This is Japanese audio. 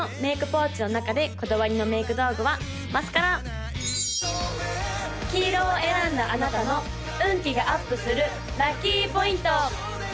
ポーチの中でこだわりのメーク道具はマスカラ黄色を選んだあなたの運気がアップするラッキーポイント！